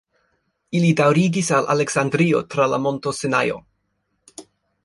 Ili daŭrigis al Aleksandrio tra la Monto Sinajo.